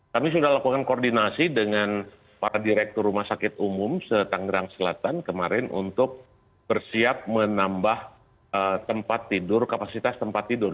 kami sudah lakukan koordinasi dengan para direktur rumah sakit umum setanggerang selatan kemarin untuk bersiap menambah tempat tidur kapasitas tempat tidur